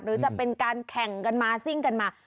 หรือจะเป็นการแข่งกันมาซิ่งกันมา